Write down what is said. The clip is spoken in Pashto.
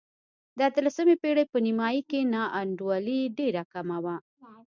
د اتلسمې پېړۍ په نیمايي کې نا انډولي ډېره کمه وه.